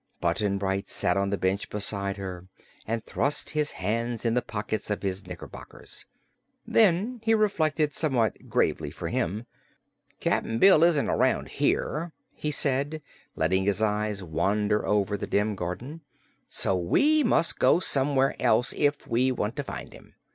Button Bright sat on the bench beside her and thrust his hands in the pockets of his knickerbockers. Then he reflected somewhat gravely for him. "Cap'n Bill isn't around here," he said, letting his eyes wander over the dim garden, "so we must go somewhere else if we want to find him.